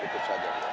kita masih mencari